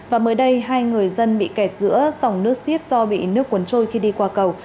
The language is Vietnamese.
và mới đây hai người dân bị kẹt giữa dòng nước xiết do bị nước cuốn trôi khi đi qua cầu